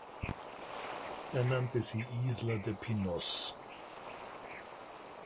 Er nannte sie "Isla de Pinos".